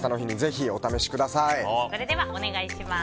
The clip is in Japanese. それではお願いします。